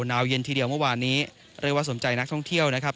หนาวเย็นทีเดียวเมื่อวานนี้เรียกว่าสมใจนักท่องเที่ยวนะครับ